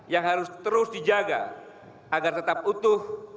yang harus terus dijaga agar tetap utuh